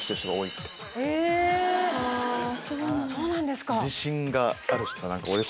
そうなんですか。